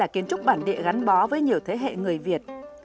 tre là kiến trúc bản địa gắn bó với nhiều thế hệ người việt